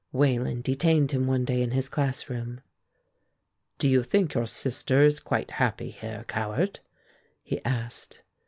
Wayland detained him one day in his class room. "Do you think your sister is quite happy here, Cowart?" he asked.